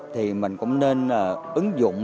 thì mình cũng nên ứng dụng